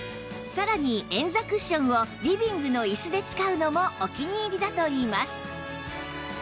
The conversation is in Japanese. さらに円座クッションをリビングの椅子で使うのもお気に入りだといいます